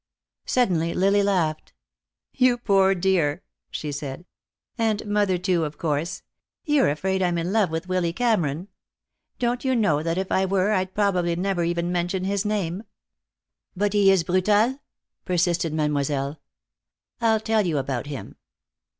Suddenly Lily laughed. "You poor dear!" she said. "And mother, too, of course! You're afraid I'm in love with Willy Cameron. Don't you know that if I were, I'd probably never even mention his name?" "But is he brutal?" persisted Mademoiselle. "I'll tell you about him.